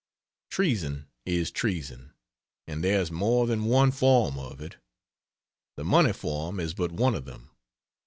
Treason is treason and there's more than one form of it; the money form is but one of them.